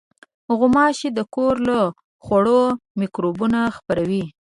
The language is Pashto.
غوماشې د کور له خوړو مکروبونه خپروي.